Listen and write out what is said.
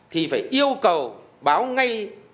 thì phải yêu cầu báo ngay